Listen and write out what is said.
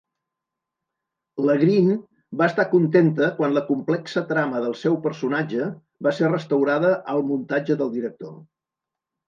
La Green va estar contenta quan la complexa trama del seu personatge va ser restaurada al muntatge del director.